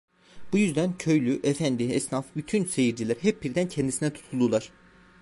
Bu yüzden, köylü, efendi, esnaf, bütün seyirciler hep birden kendisine tutuldular.